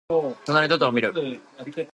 となりのトトロをみる。